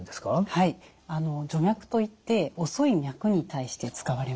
はい徐脈といって遅い脈に対して使われます。